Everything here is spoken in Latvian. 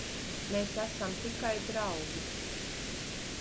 Mēs esam tikai draugi.